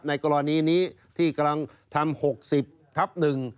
กรณีนี้ที่กำลังทำ๖๐ทับ๑